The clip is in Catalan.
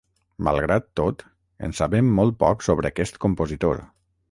Malgrat tot, en sabem molt poc sobre aquest compositor.